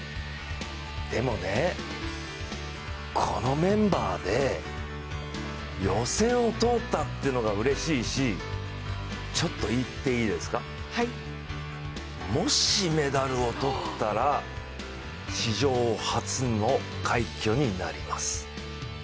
でも、このメンバーで予選を通ったというのがうれしいし、ちょっと言っていいですか、もしメダルを取ったら、史上初の快挙になります。